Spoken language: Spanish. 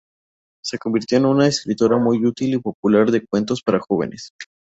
Se convirtió en una escritora muy útil y popular de cuentos para jóvenes.